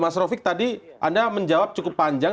mas rofiq tadi anda menjawab cukup panjang